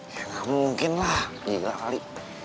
ya gak mungkin lah gila kali